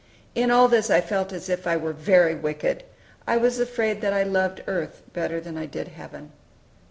In all this I felt as if I were very wicked. I was afraid that I loved earth better than I did heaven.